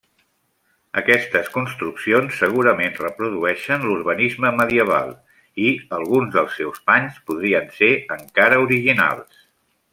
Aquestes construccions segurament reprodueixen l'urbanisme medieval i, alguns dels seus panys, podrien ser encara originals.